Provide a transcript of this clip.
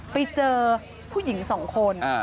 ไปเจอผู้หญิง๒คน